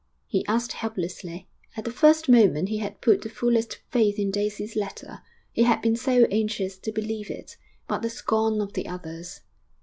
he asked helplessly. At the first moment he had put the fullest faith in Daisy's letter, he had been so anxious to believe it; but the scorn of the others....